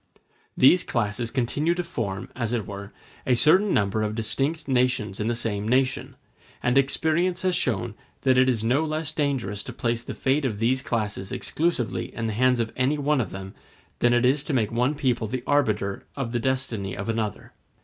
These classes continue to form, as it were, a certain number of distinct nations in the same nation; and experience has shown that it is no less dangerous to place the fate of these classes exclusively in the hands of any one of them than it is to make one people the arbiter of the destiny of another.